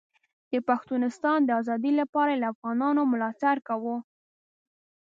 د پښتونستان د ازادۍ لپاره یې له افغانانو ملاتړ کاوه.